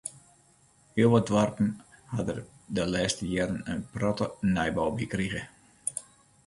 Heel wat doarpen ha der de lêste jierren in protte nijbou by krige.